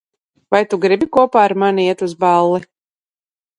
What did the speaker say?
Vai tu gribi kopā ar mani iet uz balli?